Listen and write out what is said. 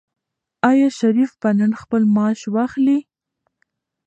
آیا شریف به نن خپل معاش واخلي؟